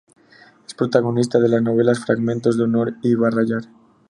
Es protagonista de las novelas "Fragmentos de honor" y "Barrayar".